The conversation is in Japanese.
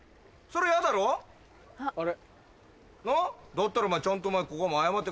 だったらお前ちゃんとここは謝って。